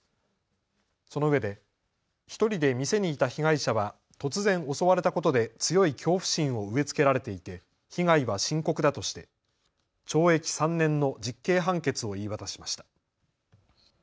そのうえで１人で店にいた被害者は突然、襲われたことで強い恐怖心を植えつけられていて被害は深刻だとして懲役３年の実刑判決を言い渡しました。